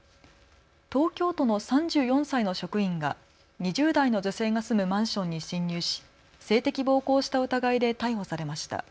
東京都の３４歳の職員が２０代の女性が住むマンションに侵入し性的暴行をした疑いで逮捕されました。